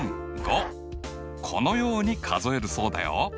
このように数えるそうだよ。